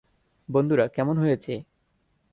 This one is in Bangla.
বন্ধুরা, কেমন হয়েছে?